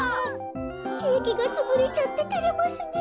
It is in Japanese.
ケーキがつぶれちゃっててれますねえ。